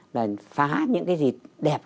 là phá những cái gì đẹp